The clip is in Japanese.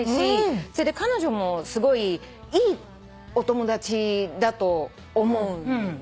それで彼女もすごいいいお友達だと思う。